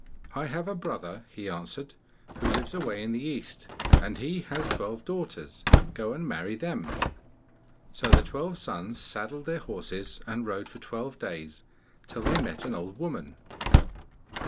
'I have a brother,' he answered, 'who lives away in the East, and he has twelve daughters; go and marry them.' So the twelve sons saddled their horses and rode for twelve days, till they met an old woman.